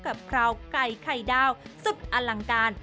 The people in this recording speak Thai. คราวไก่ไข่ดาวสุดอลังการ